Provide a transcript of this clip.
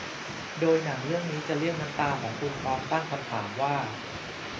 โดยหนังเรื่องนี้จะเรียกน้ำตาของคุณพร้อมตั้งคำถามว่า